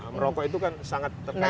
merokok itu kan sangat terkait